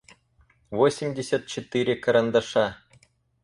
восемьдесят четыре карандаша